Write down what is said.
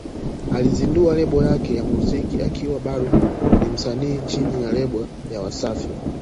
Alizindua lebo yake ya muziki akiwa bado ni msanii chini ya lebo ya Wasafi